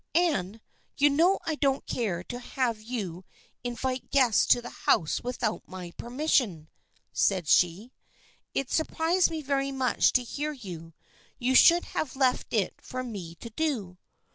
" Anne, you know I don't care to have you in vite guests to the house without my permission," said she. " It surprised me very much to hear you. You should have left it for me to do."